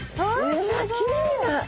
うわっきれいな。